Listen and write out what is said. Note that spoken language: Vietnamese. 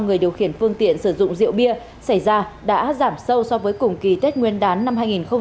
người điều khiển phương tiện sử dụng rượu bia xảy ra đã giảm sâu so với cùng kỳ tết nguyên đán năm